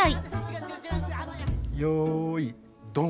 よいドン。